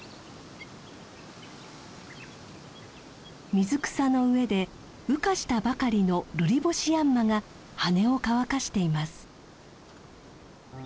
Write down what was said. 水草の上で羽化したばかりのルリボシヤンマが羽を乾かしています。